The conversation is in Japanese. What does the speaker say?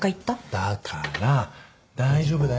だから大丈夫だよ。